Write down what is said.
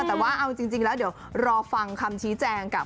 แต่ว่าเอาจริงแล้วเดี๋ยวรอฟังคำชี้แจงกับ